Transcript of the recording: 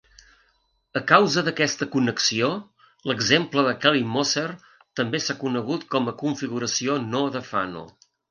A causa d'aquesta connexió, l'exemple de Kelly-Moser també s'ha conegut com a configuració no de Fano.